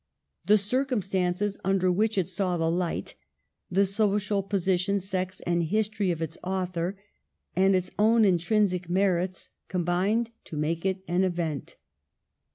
The circumstances under which it saw the light — the social position, sex, and history of its author — and its own intrin sic merits, combined to make it an event.